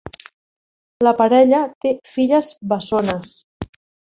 La parella té filles bessones.